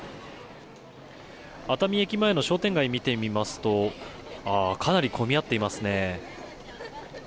熱海駅前の商店街を見てみますとかなり混み合っていますね。